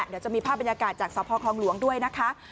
เดี๋ยวจะมีภาพบรรยากาศจากสพคลองหลวงด้วยนะคะ